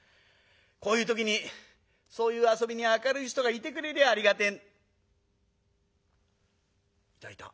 こういう時にそういう遊びに明るい人がいてくれりゃありがてえいたいた。